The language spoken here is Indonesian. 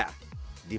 di museum ini